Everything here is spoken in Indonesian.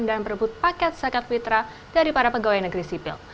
dan berbut paket zakat fitrah dari para pegawai negeri sipil